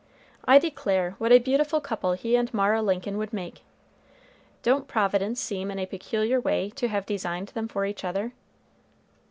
I declare, what a beautiful couple he and Mara Lincoln would make! Don't Providence seem in a peculiar way to have designed them for each other?"